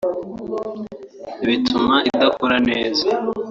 bituma idakora neza